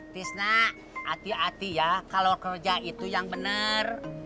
disna hati hati ya kalau kerja itu yang bener